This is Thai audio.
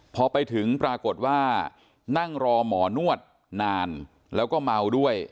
พอไปถึงปรากฏว่านั่งรอหมอนวดนานแล้วก็เมาด้วย